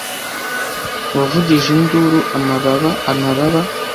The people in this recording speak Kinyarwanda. wavugije induru amababa amababa